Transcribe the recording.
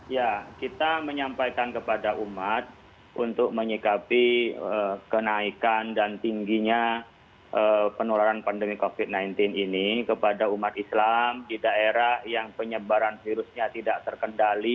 ya kita menyampaikan kepada umat untuk menyikapi kenaikan dan tingginya penularan pandemi covid sembilan belas ini kepada umat islam di daerah yang penyebaran virusnya tidak terkendali